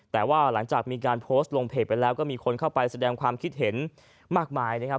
แต่ว่าหลังจากมีการโพสต์ลงเพจไปแล้วก็มีคนเข้าไปแสดงความคิดเห็นมากมายนะครับ